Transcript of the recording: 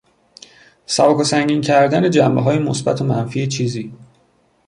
سبک و سنگین کردن جنبههای مثبت و منفی چیزی